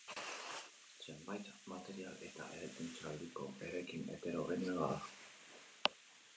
Zenbait material eta eraikuntza-aldiko eraikin heterogeneoa da.